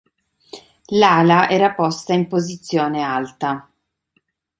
L'ala era posta in posizione alta.